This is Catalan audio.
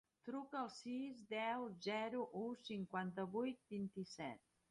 Truca al sis, deu, zero, u, cinquanta-vuit, vint-i-set.